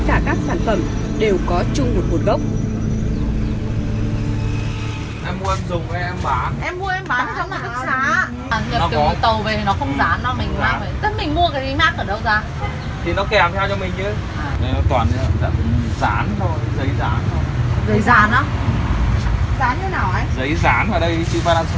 và các sản phẩm đều có chung một một gốc